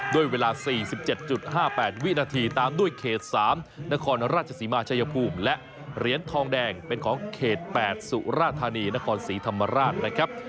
ด้วยเวลา๔๗๕๘วินาทีตามด้วยเขต๓นครราชศรีมาชายภูมิและเหรียญทองแดงเป็นของเขต๘สุราธานีนครศรีธรรมราชนะครับ